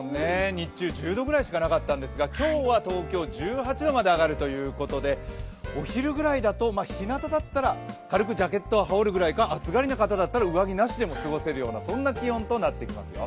日中１０度くらいしかないんですが今日は東京１８度くらいまで上がる予想でお昼ぐらいだとひなただったら、軽くジャケットを羽織るくらいか、暑がりの方だったら上着なしでも過ごせるような気温になりますよ。